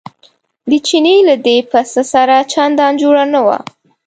د چیني له دې پسه سره چندان جوړه نه وه.